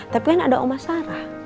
tapi kan ada oma sarah